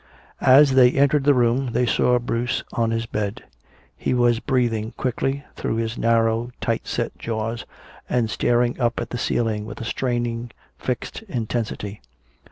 As they entered the room they saw Bruce on his bed. He was breathing quickly through his narrow tight set jaws and staring up at the ceiling with a straining fixed intensity.